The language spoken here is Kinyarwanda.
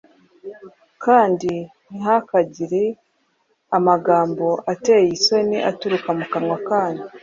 kandi ntihakagire amagambo ateye isoni aturuka mu kanwa kanyu…